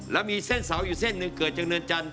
แล้วมีเส้นเสาอยู่เส้นหนึ่งเกิดจากเนินจันท